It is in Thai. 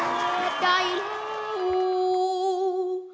เพลงของใครลูก